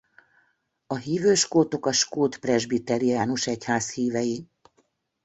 A hívő skótok a skót presbiteriánus egyház hívei.